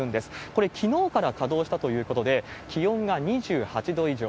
これ、きのうから稼働したということで、気温が２８度以上。